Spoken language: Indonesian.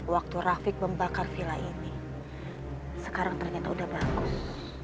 waktu rafiq membakar villa ini sekarang ternyata udah bagus